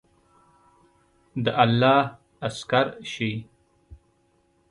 د الله عسکر شئ!